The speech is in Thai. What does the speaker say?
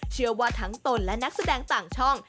เชื่อว่าทั้งตนและนักแสดงต่างช่อง